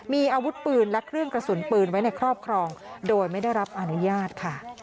มีอาวุธปืนและเครื่องกระสุนปืนไว้ในครอบครองโดยไม่ได้รับอนุญาตค่ะ